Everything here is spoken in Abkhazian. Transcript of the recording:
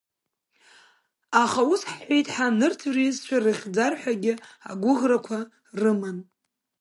Аха, ус ҳҳәеит ҳәа, нырцә рҩызцәа рыхьӡар ҳәагьы агәыӷрақәа рыман.